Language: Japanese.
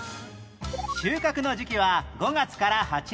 収穫の時期は５月から８月